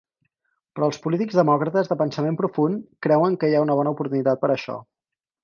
Però els polítics Demòcrates de pensament profund creuen que hi ha una bona oportunitat per això.